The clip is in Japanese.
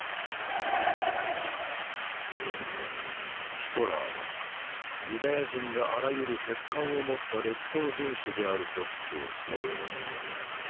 ヒトラーはユダヤ人があらゆる欠陥を持った劣等人種であると主張した。